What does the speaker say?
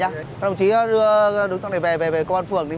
các đồng chí đưa đối tượng này về về công an phường đi